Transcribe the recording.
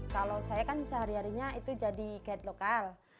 kalau saya kan sehari harinya itu jadi guide lokal